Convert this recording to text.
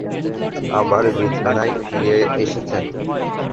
আবার বিছানায় ফিরে এসেছেন।